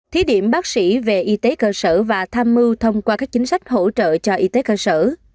thí điểm bác sĩ về y tế cơ sở và tham mưu thông qua các chính sách hỗ trợ cho y tế cơ sở